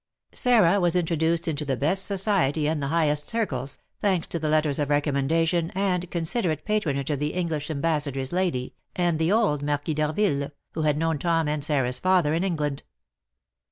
Sarah was introduced into the best society and the highest circles, thanks to the letters of recommendation and considerate patronage of the English "ambassador's" lady and the old Marquis d'Harville, who had known Tom and Sarah's father in England.